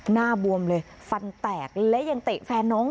บวมเลยฟันแตกและยังเตะแฟนน้อง